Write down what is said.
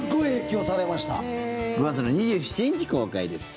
５月の２７日公開です。